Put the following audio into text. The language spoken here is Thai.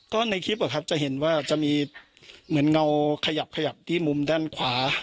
ก็ในคลิปจะเห็นว่าจะมีเหมือนเงาขยับขยับที่มุมด้านขวา